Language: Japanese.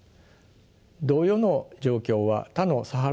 同様の状況は他のサハラ